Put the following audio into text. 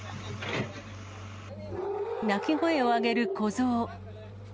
鳴き声を上げる子ゾウ。